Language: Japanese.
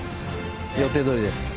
予定どおりです。